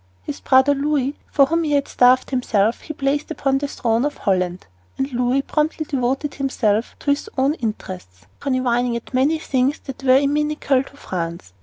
His brother Louis, for whom he had starved himself, he placed upon the throne of Holland, and Louis promptly devoted himself to his own interests, conniving at many things which were inimical to France.